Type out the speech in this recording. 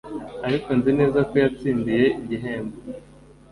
ariko nzi neza ko yatsindiye igihembo